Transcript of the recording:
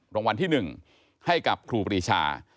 รางวัลที่๑ให้กับครูปรีชา